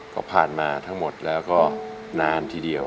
ก็ผ่านมาทั้งหมดแล้วก็นานทีเดียว